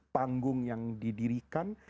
panggung yang didirikan